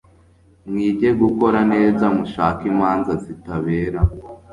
mwige gukora neza, mushake imanza zitabera